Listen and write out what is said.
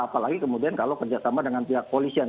apalagi kemudian kalau kerjasama dengan pihak polisian